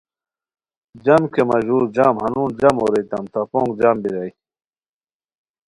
جم کیہ مہ ژور جم ہنون جم اوریتام تہ پونگ جم بیرائے